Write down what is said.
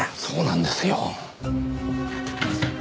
そうなんですよ。